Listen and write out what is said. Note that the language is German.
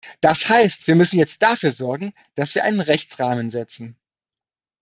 Das heißt, wir müssen jetzt dafür sorgen, dass wir einen Rechtsrahmen setzen.